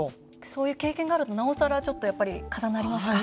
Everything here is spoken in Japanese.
そういう経験があるとなおさら、ちょっとやっぱり重なりますか？